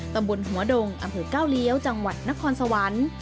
ตำบลหัวดงอำเภอก้าวเลี้ยวจังหวัดนครสวรรค์